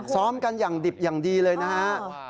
ซ้อมกันอย่างดิบอย่างดีเลยนะฮะ